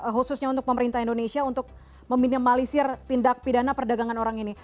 khususnya untuk pemerintah indonesia untuk meminimalisir tindak pidana perdagangan orang ini